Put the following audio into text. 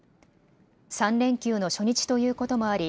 ３連休の初日ということもあり